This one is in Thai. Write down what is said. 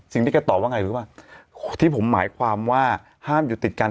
สิ่งที่แกตอบว่าไงที่ผมหมายความว่าห้ามอยู่ติดกัน